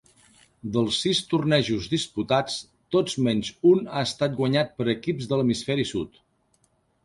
Dels sis tornejos disputats, tots menys un ha estat guanyat per equips de l'hemisferi sud.